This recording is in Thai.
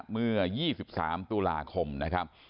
เมื่อ๒๓ตุลาคมนะครับ